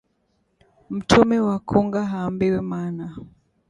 Mtumi wa kunga haambiwi maana